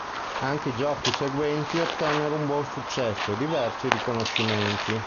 Anche i giochi seguenti ottennero un buon successo e diversi riconoscimenti.